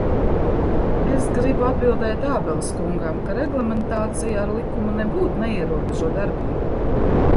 Es gribu atbildēt Ābeles kungam, ka reglamentācija ar likumu nebūt neierobežo darbību.